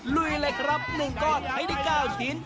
ลุยเลยครับหนึ่งก็ให้ได้๙ชิ้น